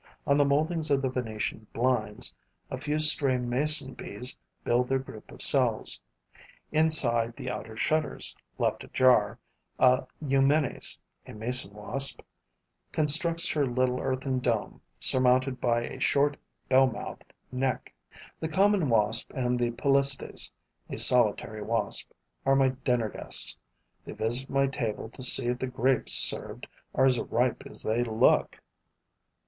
On the moldings of the Venetian blinds, a few stray mason bees build their group of cells; inside the outer shutters, left ajar, a Eumenes [a mason wasp] constructs her little earthen dome, surmounted by a short, bell mouthed neck. The common wasp and the Polistes [a solitary wasp] are my dinner guests: they visit my table to see if the grapes served are as ripe as they look.